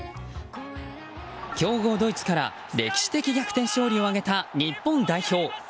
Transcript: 強豪ドイツから歴史的逆転勝利を挙げた日本代表。